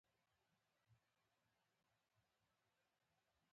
داسې ښکاري چې اردنیان له تعلیم سره ډېره مینه لري.